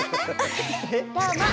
どうも。